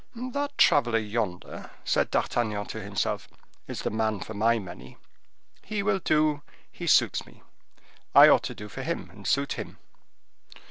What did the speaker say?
"That traveler yonder," said D'Artagnan to himself, "is the man for my money. He will do, he suits me; I ought to do for him and suit him; M.